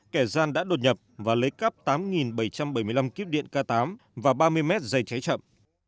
kẻ gian đã đột nhập và lấy cắp tám bảy trăm bảy mươi năm kíp điện k tám và ba mươi mét dây cháy chậm